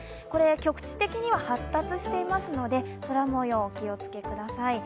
局地的には発達していますので空もよう、お気をつけください。